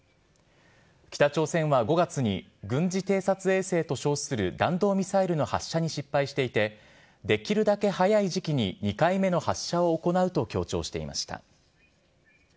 北朝鮮は５月に、軍事偵察衛星と称する弾道ミサイルの発射に失敗していて、できるだけ早い時期に、２回目の発射を行うと強調していました。